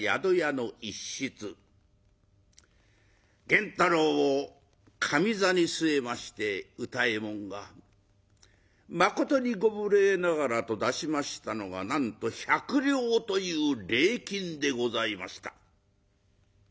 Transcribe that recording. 源太郎を上座に据えまして歌右衛門がまことにご無礼ながらと出しましたのがなんと百両という礼金でございました。